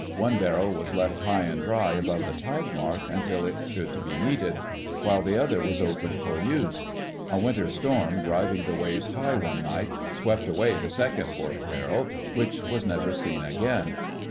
One barrel was left high and dry above the tide mark until it should be needed, while the other was opened for use. A winter storm, driving the waves high one night, swept away the second pork barrel, which was never seen again.